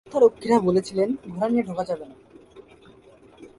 নিরাপত্তারক্ষীরা বলেছিলেন, ঘোড়া নিয়ে ঢোকা যাবে না।